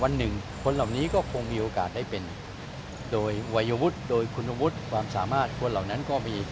วันหนึ่งคนเหล่านี้ก็คงมีโอกาสได้เป็นโดยวัยวุฒิโดยคุณวุฒิความสามารถคนเหล่านั้นก็มี